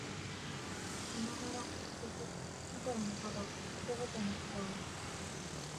寝ながら、敷布、枕のカバー、掛け蒲団のカバーを、